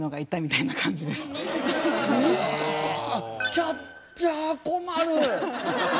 キャッチャー困る！